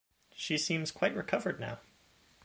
She seems quite recovered now.